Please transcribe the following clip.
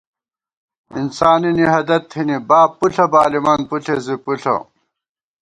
انساننی ہدَت تھِنی، باب پُݪہ بالِمان، پُݪېس بی پُݪہ